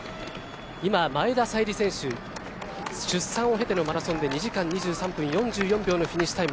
今、前田彩里選手出産を経てのマラソンで２時間２３分４４秒のフィニッシュタイム。